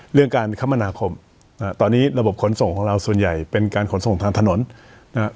เรื่องการคมนาคมอ่าตอนนี้ระบบขนส่งของเราส่วนใหญ่เป็นการขนส่งทางถนนนะฮะ